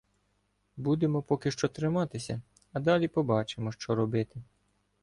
— Будемо поки що триматися, а далі побачимо, що робити.